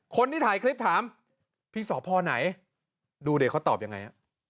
คนที่ถ่ายคลิปถามพี่สตไหนดูเดะเขาตอบอย่างไร